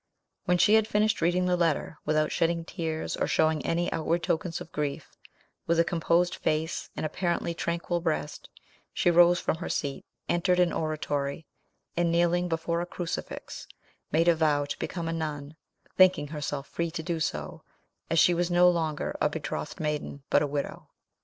When she had finished reading the letter, without shedding tears or showing any outward tokens of grief, with a composed face and apparently tranquil breast, she rose from her seat, entered an oratory, and kneeling before a crucifix, made a vow to become a nun, thinking herself free to do so, as she was no longer a betrothed maiden, but a widow.